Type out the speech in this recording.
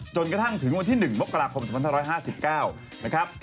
จนกระทั่งถึงวันที่๑มกราคม๒๕๕๙นะครับ